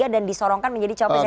dan disorongkan menjadi cowok psg